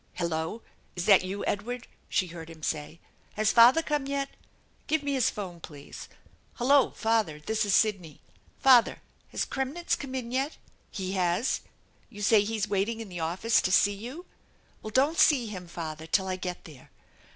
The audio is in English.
" Hello! Is that you, Edward?" she heard him say. " Has father come yet ? Give me his phone, please. Hello, father; this is Sidney. Father, has Kremnitz come in yet? He has ? You say he's waiting in the office to see you ? Well, don't see him, father, till I get there.